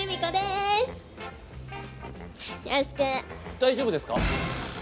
大丈夫ですか？